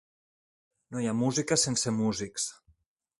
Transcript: No hi ha música sense músics.